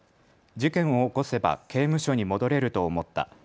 事件を起こせば刑務所に戻れると思った。